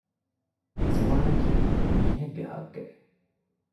އިޒުވާނަކީ މީހެއްގެ ހައްޤެއް